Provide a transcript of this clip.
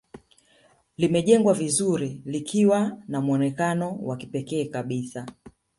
Limejengwa vizuri likiwa na mwonekano wa kipekee kabisa